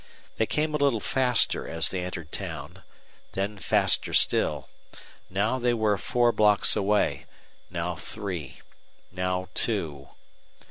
They came a little faster as they entered town; then faster still; now they were four blocks away, now three, now two.